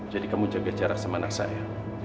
jadi kamu jaga jarak sama anak saya